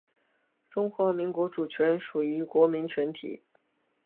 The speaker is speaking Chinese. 中华民国主权属于国民全体